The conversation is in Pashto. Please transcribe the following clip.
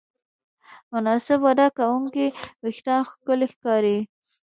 مناسب وده کوونکي وېښتيان ښکلي ښکاري.